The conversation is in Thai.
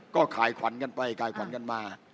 ก็ขายขวัญกันไปขายขวัญกันมา